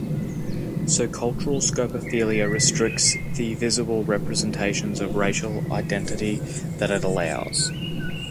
So cultural scopophilia restricts the visible representations of racial identity that it allows.